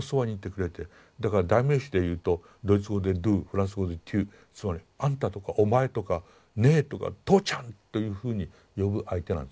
だから代名詞で言うとドイツ語でドゥーフランス語でテュつまり「あんた」とか「お前」とか「ねえ」とか「とうちゃん」というふうに呼ぶ相手なんですね。